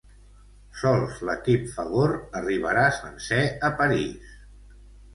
Sols l'equip Fagor arribarà sencer a París.